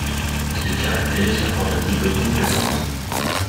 Il caractérise l’informatique omniprésente.